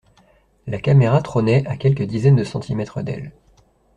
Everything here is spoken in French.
La caméra trônait, à quelques dizaines de centimètres d’elle.